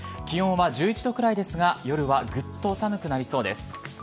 気温は１１度くらいですが夜はぐっと寒くなりそうです。